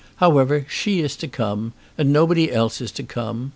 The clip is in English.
However, she is to come. And nobody else is to come.